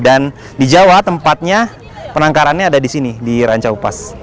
di jawa tempatnya penangkarannya ada di sini di rancaupas